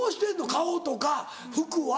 顔とか服は。